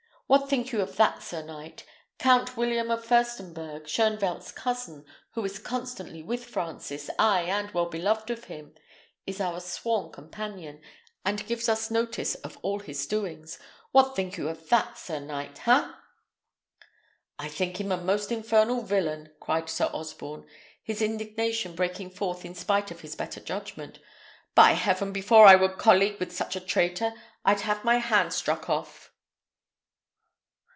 What think you of that, sir knight? Count William of Firstenberg, Shoenvelt's cousin, who is constantly with Francis, ay, and well beloved of him, is our sworn companion, and gives us notice of all his doings. What think you of that, sir knight ha?" "I think him a most infernal villain!" cried Sir Osborne, his indignation breaking forth in spite of his better judgment. "By heaven! before I would colleague with such a traitor, I'd have my hand struck off."